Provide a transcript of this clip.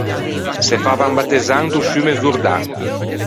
Se favan battezzâ into sciumme Zordan.